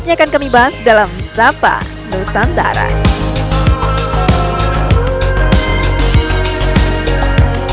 lalu bagaimana kesiapan tempat tempat wisata di jawa tengah